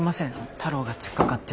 太郎が突っかかって。